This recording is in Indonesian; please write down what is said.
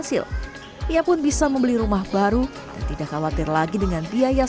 untuk perempuan single mom yang di luar sana yang saat ini sedang berjuang